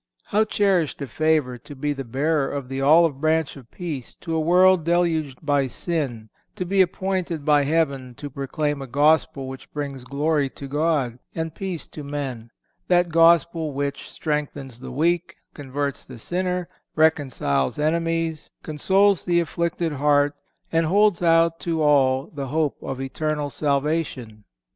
(498) How cherished a favor to be the bearer of the olive branch of peace to a world deluged by sin; to be appointed by Heaven to proclaim a Gospel which brings glory to God, and peace to men; that Gospel which strengthens the weak, converts the sinner, reconciles enemies, consoles the afflicted heart and holds out to all the hope of eternal salvation!